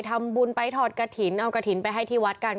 ทำบุญไปถอดกฐินเอากฐินไปให้ที่วัดกัน